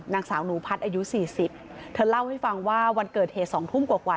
นางสาวหนูพัดอายุ๔๐เธอเล่าให้ฟังว่าวันเกิดเหตุ๒ทุ่มกว่า